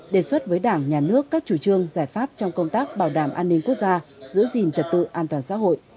đề xuất với đảng nhà nước các chủ trương giải pháp trong công tác bảo đảm an ninh quốc gia giữ gìn trật tự an toàn xã hội